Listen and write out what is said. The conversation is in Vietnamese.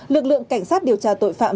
lực lượng cảnh sát điều tra tội phạm